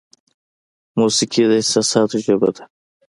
موسیقي د احساساتو ژبه ده.